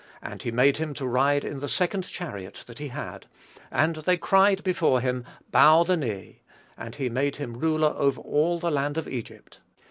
And he made him to ride in the second chariot that he had: and they cried before him, Bow the knee: and he made him ruler over all the land of Egypt.